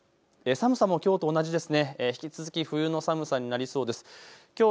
寒さもきょうと同じですね。